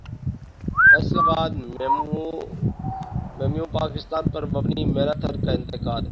فیصل ابادمیںیوم پاکستان پر mini marathon کا انعقاد